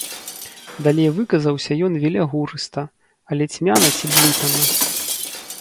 Далей выказаўся ён велягурыста, але цьмяна ці блытана.